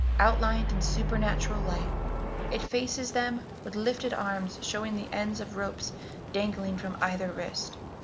Outlined in supernatural light, it faces them with lifted arms showing the ends of rope dangling from either wrist.